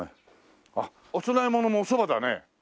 あっお供え物もおそばだね。